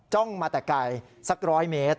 มาแต่ไกลสัก๑๐๐เมตร